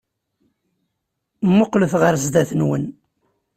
Mmuqqlet ɣer sdat-wen.